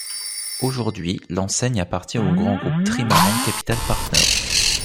Aujourd'hui l'enseigne appartient au grand groupe Trimaran Capital Partners.